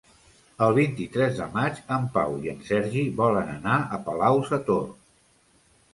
El vint-i-tres de maig en Pau i en Sergi volen anar a Palau-sator.